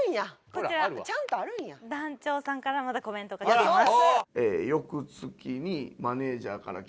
こちら団長さんからまたコメントが来ています。